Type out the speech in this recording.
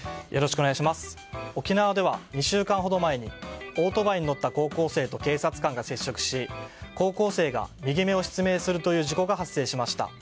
沖縄では２週間ほど前にオートバイに乗った高校生と警察官が接触し高校生が右目を失明するという事故が発生しました。